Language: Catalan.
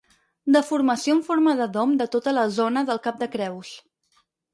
Deformació en forma de dom de tota la zona del cap de Creus.